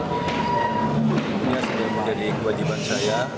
ini juga menjadi kewajiban saya